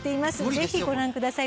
ぜひ、ご覧ください。